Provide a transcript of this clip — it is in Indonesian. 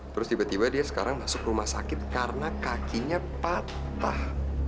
terus tiba tiba dia sekarang masuk rumah sakit karena kakinya patah